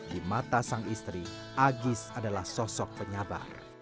di mata sang istri agis adalah sosok penyabar